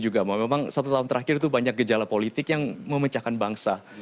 kira kira juga mau memang satu tahun terakhir itu banyak gejala politik yang memecahkan bangsa